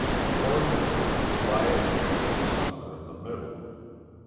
Or the truth could lie as usual somewhere in the middle.